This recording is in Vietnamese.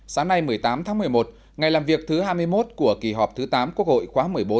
sáng nay một mươi tám tháng một mươi một ngày làm việc thứ hai mươi một của kỳ họp thứ tám quốc hội khóa một mươi bốn